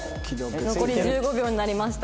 残り１５秒になりました。